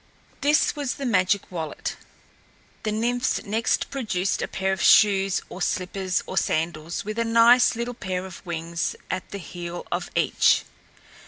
This was the magic wallet. The Nymphs next produced a pair of shoes or slippers or sandals, with a nice little pair of wings at the heel of each.